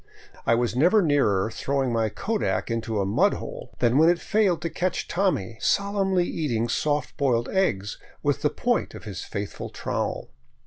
I was never nearer throwing my kodak into a mud hole than when it failed to catch Tommy solemnly eating soft boiled eggs with the point of his faithful trowel.